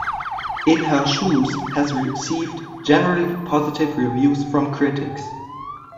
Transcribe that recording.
"In Her Shoes" has received generally positive reviews from critics.